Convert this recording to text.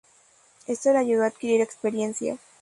Esto le ayudó a adquirir experiencia.